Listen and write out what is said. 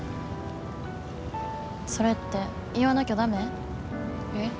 それって言わなきゃダメ？え？